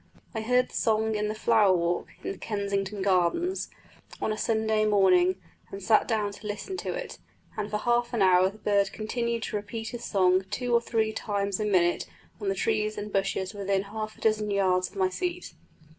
I heard the song in the flower walk, in Kensington Gardens, on a Sunday morning, and sat down to listen to it; and for half an hour the bird continued to repeat his song two or three times a minute on the trees and bushes within half a dozen yards of my seat.